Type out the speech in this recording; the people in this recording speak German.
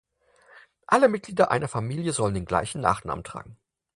Alle Mitglieder einer Familie sollen den gleichen Nachnamen tragen.